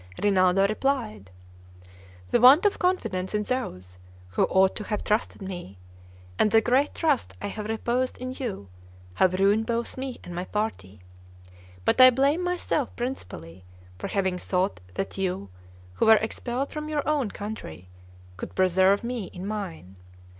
Rinaldo replied, "The want of confidence in those who ought to have trusted me, and the great trust I have reposed in you, have ruined both me and my party. But I blame myself principally for having thought that you, who were expelled from your own country, could preserve me in mine.